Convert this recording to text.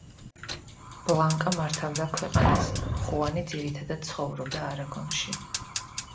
ბლანკა მართავდა ქვეყანას, ხუანი ძირითადად ცხოვრობდა არაგონში.